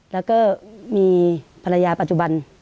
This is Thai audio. แล้วก็มีภรรยาปัจจุบัน